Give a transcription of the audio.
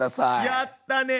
やったね！